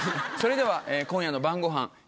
それでは今夜の晩ごはん